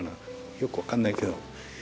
よく分かんないけど。